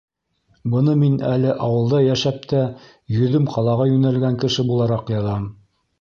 Быны мин әле ауылда йәшәп тә йөҙөм ҡалаға йүнәлгән кеше булараҡ яҙам.